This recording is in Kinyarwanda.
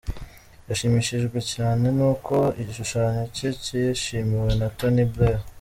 Yashimishijwe cyane n’uko igishushanyo cye cyishimiwe na Tony Blair.